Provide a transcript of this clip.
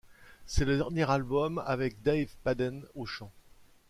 C'est le dernier album avec Dave Padden au chant.